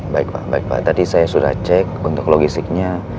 baik pak tadi saya sudah cek untuk logistiknya